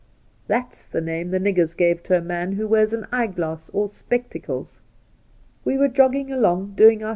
That's the name the niggers give to a man who wears an eyeglass or spectacles. We were jogging along doing our.